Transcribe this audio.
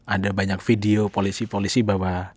ada banyak video polisi polisi bahwa